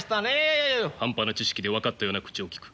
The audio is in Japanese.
半端な知識で分かったような口をきく。